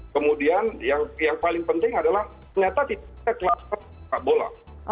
kemudian yang paling penting adalah ternyata tidak ada kluster sepak bola